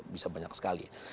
bisa banyak sekali